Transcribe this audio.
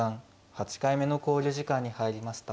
８回目の考慮時間に入りました。